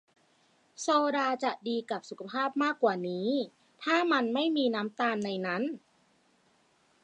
โซดาจะดีกับสุขภาพมากกว่านี้ ถ้ามันไม่มีน้ำตาลในนั้น